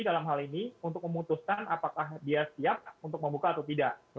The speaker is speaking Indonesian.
dalam hal ini untuk memutuskan apakah dia siap untuk membuka atau tidak